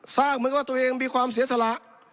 เหมือนกับว่าตัวเองมีความเสียสละ